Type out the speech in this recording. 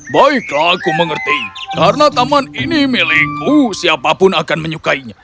baiklah aku mengerti karena taman ini milikku siapapun akan menyukainya